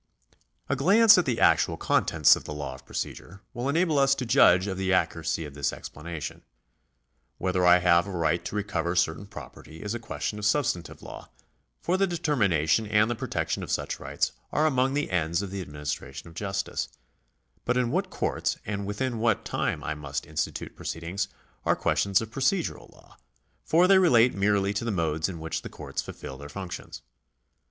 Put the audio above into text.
A glance at the actual contents of the law of procedure will enable us to judge of the accuracy of this explanation. Whether I have a right to recover certain property is a question of substantive law, for the determination and the protection of such rights are among the ends of the adminis tration of justice ; but in what courts and within what time I must institute proceedings are questions of procedural law, for they relate merely to the modes in which the courts fulfil their functions.